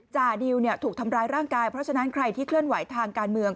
จ่าดิวถูกทำร้ายร่างกายเพราะฉะนั้นใครที่เคลื่อนไหวทางการเมือง